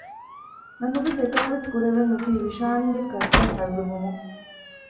ނަމަވެސް އެކަންވެސް ކުރެވެން އޮތީ ވިޝާންގެ ކަންތައް ހައްލުވުމުން